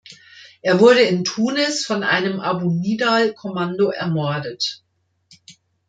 Er wurde in Tunis von einem Abu-Nidal-Kommando ermordet.